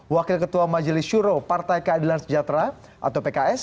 wakil ketua majelis syuro partai keadilan sejahtera atau pks